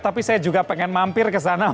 tapi saya juga pengen mampir kesana